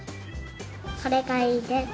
これがいいです